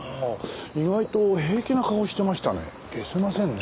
意外と平気な顔をしてましたね。